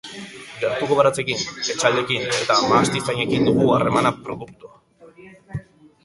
Gertuko baratzekin, etxaldeekin eta mahastizainekin dugu harremana, produkto ekolojikoak eskaintzeko.